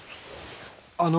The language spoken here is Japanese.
あの。